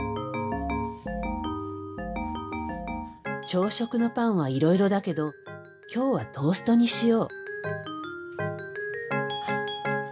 朝食のパンはいろいろだけど今日はトーストにしよう。